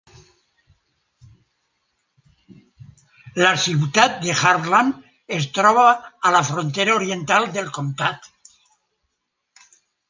La ciutat de Hartland es troba a la frontera oriental del comtat.